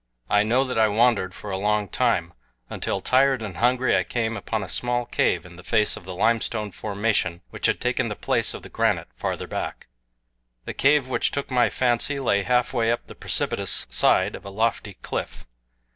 I know that I wandered for a long time, until tired and hungry I came upon a small cave in the face of the limestone formation which had taken the place of the granite farther back. The cave which took my fancy lay halfway up the precipitous side of a lofty cliff.